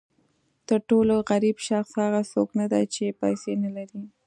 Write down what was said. تر ټولو غریب شخص هغه څوک نه دی چې پیسې نه لري.